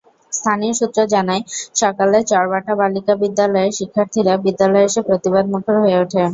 স্থানীয় সূত্র জানায়, সকালে চরবাটা বালিকা বিদ্যালয়ের শিক্ষার্থীরা বিদ্যালয়ে এসে প্রতিবাদমুখর হয়ে ওঠে।